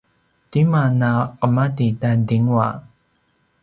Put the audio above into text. tima na qemati ta dingwa?